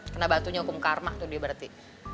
kena batunya hukum karma tuh dia berarti